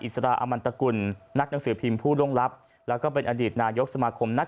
สราอมันตกุลนักหนังสือพิมพ์ผู้ล่วงลับแล้วก็เป็นอดีตนายกสมาคมนัก